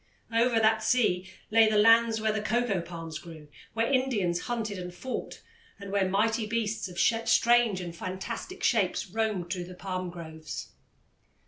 Over that sea lay the lands where the coco palms grew, where Indians hunted and fought, and where mighty beasts of strange and fantastic shapes roamed through the palm groves.